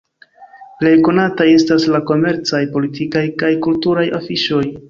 Plej konataj estas la komercaj, politikaj kaj kulturaj afiŝoj.